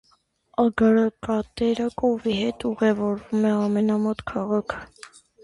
Ագարակատերը կովի հետ ուղևորվում է ամենամոտ քաղաք։